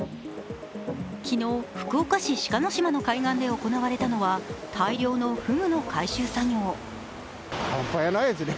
昨日、福岡市志賀島の海岸で行われたのは大量のフグの回収作業。